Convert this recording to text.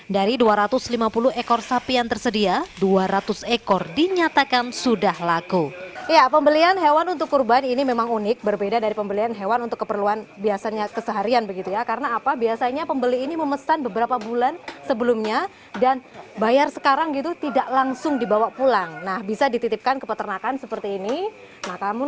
dari dua ratus lima puluh ekor sapi yang tersedia dua ratus ekor dinyatakan sudah laku